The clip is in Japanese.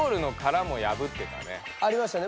ありましたね。